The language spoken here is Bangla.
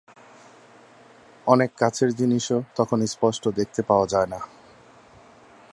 অনেক কাছের জিনিসও তখন স্পষ্ট দেখতে পাওয়া যায় না।